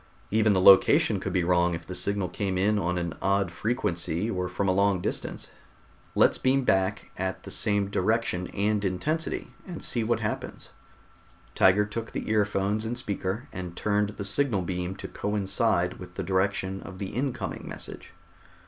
Even the location could be wrong if the signal came in on an odd frequency or from a long distance. Let's beam back at the same direction and intensity and see what happens." Tiger took the earphones and speaker, and turned the signal beam to coincide with the direction of the incoming message.